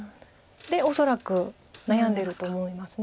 で恐らく悩んでると思います。